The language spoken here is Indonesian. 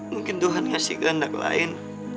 mungkin tuhan kasih kehendak lain